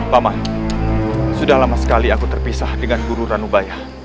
bama sudah lama sekali aku terpisah dengan guru ranubaya